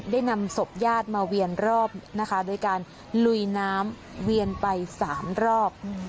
ได้นำศพญาติมาเวียนรอบนะคะโดยการลุยน้ำเวียนไป๓รอบ